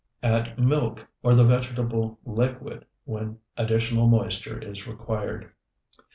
Add milk or the vegetable liquid when additional moisture is required.